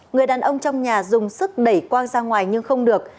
người đàn ông trong nhà dùng sức đẩy quang ra ngoài nhưng không được